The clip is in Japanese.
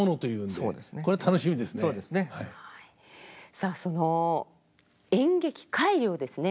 さあその演劇改良をですね